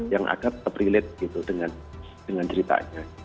yang agak tetap relate gitu dengan ceritanya